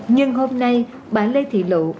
nhưng hôm nay bà lê thị lụ